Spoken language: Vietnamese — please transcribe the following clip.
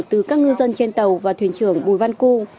từ các ngư dân trên tàu và thuyền trưởng bùi văn cư